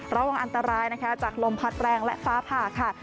ระวังอันตรายนะคะจากลมพัดแรงและฟ้าผ่าค่ะ